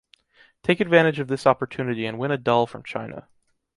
Take advantage of this opportunity and win a doll from China.